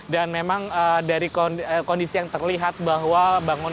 dan memang dari kondisi yang terlihat bahwa bangunan ini tidak bisa diperlukan